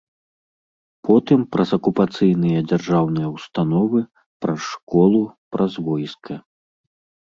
Потым праз акупацыйныя дзяржаўныя ўстановы, праз школу, праз войска.